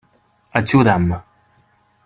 Ajuda'm.